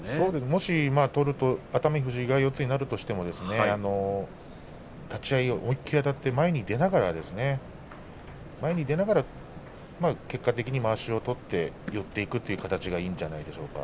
もし熱海富士が四つになるとしても立ち合い思い切りあたって前に出ながら結果的にまわしを取って寄っていくという形がいいんじゃないでしょうか。